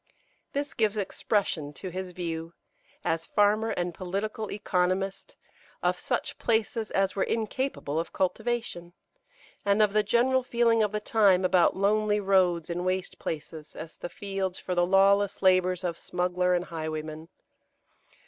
This gives expression to his view, as farmer and political economist, of such places as were incapable of cultivation, and of the general feeling of the time about lonely roads in waste places, as the fields for the lawless labours of smuggler and highwayman.